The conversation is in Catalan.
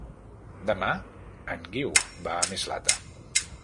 Demà en Guiu va a Mislata.